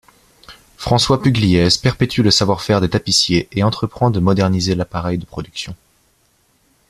François Pugliese perpétue le savoir-faire des tapissiers et entreprend de moderniser l'appareil de production.